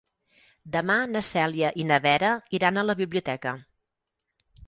Demà na Cèlia i na Vera iran a la biblioteca.